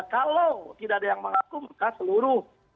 kalau tidak ada yang mengaku maka seluruh